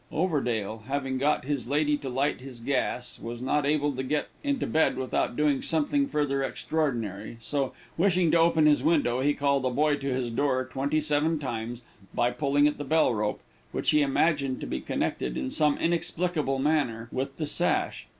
Overdale having got this lady to light his gas, was not able to get to bed without doing something further extraordinary, so wishing to open his window, he called a boy to his door twenty seven times, by pulling at the bell rope, which he imagined to be connected, in some inexplicable manner, with the sash.